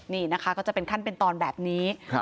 นี่นะคะก็จะเป็นขั้นเป็นตอนแบบนี้